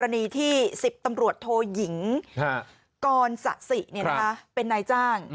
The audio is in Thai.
กรณีที่๑๐ตำรวจโทยหญิงกรศสิเป็นนายจ้าง